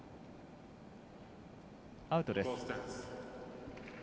アウトです。